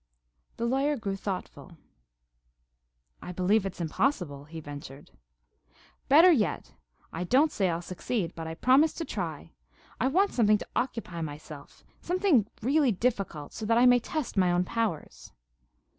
The lawyer grew thoughtful. "I believe it's impossible," he ventured. "Better yet. I don't say I'll succeed, but I promise to try. I want something to occupy myself something really difficult, so that I may test my own powers."